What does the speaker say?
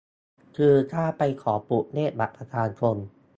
คือถ้าไปขอผูกเลขบัตรประชาชน